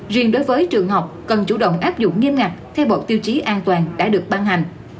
riêng đối với trường học cần chủ động áp dụng nghiêm ngặt theo bộ tiêu chí an toàn đã được ban hành